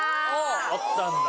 会ったんだ。